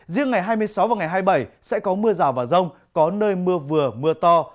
riêng ngày hai mươi sáu và ngày hai mươi bảy sẽ có mưa rào và rông có nơi mưa vừa mưa to